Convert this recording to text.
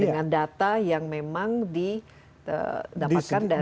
dengan data yang memang didapatkan dari